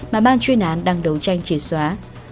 mà ban chuyên án đang đấu tranh chỉ xóa